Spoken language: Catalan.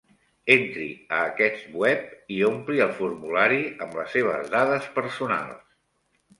Entri a aquest web i ompli el formulari amb les seves dades personals.